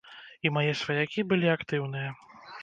І мае сваякі былі актыўныя.